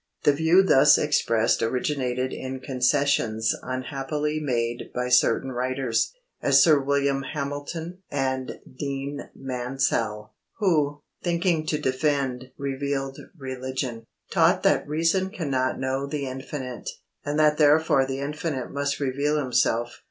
The view thus expressed originated in concessions unhappily made by certain writers, as Sir William Hamilton and Dean Mansel, who, thinking to defend revealed religion, taught that reason cannot know the Infinite, and that therefore the Infinite must reveal Himself.